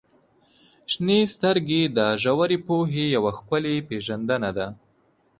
• شنې سترګې د ژورې پوهې یوه ښکلې پیژندنه ده.